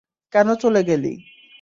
কেন চলে গেলি?